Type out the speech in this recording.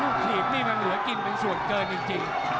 ลูกกลีบนี่ลุยกินเป็นส่วนเกินจริง